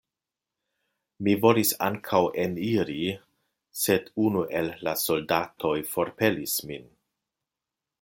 Mi volis ankaŭ eniri, sed unu el la soldatoj forpelis min.